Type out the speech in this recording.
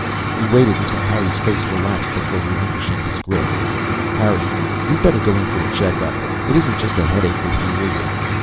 He waited until Harry's face relaxed before relinquishing his grip. "Harry, you'd better go in for a checkup. It isn't just a headache with you, is it?"